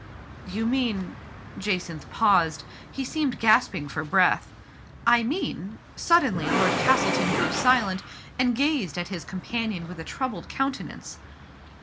" You mean " Jacynth paused ; he seemed gasping for breath. " I mean " suddenly Lord Castleton grew silent, and gazed at his companion with a troubled countenance.